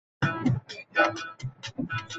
Su disciplina era prácticamente nula.